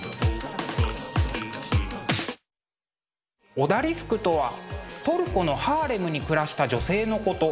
オダリスクとはトルコのハーレムに暮らした女性のこと。